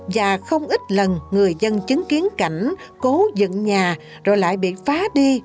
và không ít lần người dân chứng kiến cảnh cố dựng nhà rồi lại bị phá đi